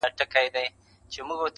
پرته له جنګه نور نکلونه لرې؟!.